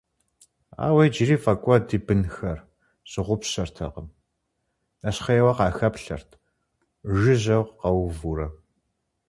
Ауэ иджыри фӀэкӀуэд и бынхэр щыгъупщэртэкъым, нэщхъейуэ къахэплъэрт, жыжьэу къэувурэ.